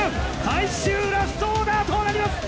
最終ラストオーダーとなります